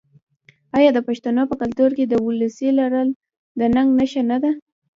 آیا د پښتنو په کلتور کې د وسلې لرل د ننګ نښه نه ده؟